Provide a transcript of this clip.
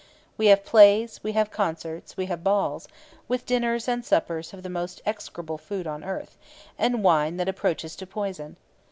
We have plays, we have concerts, we have balls, with dinners and suppers of the most execrable food upon earth, and wine that approaches to poison.